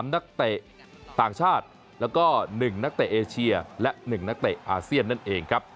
นักเตะต่างชาติแล้วก็๑นักเตะเอเชียและ๑นักเตะอาเซียนนั่นเองครับ